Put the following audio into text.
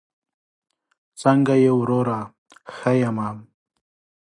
څنګه یې وروره؟ ښه یمه